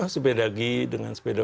sepeda g dengan sepeda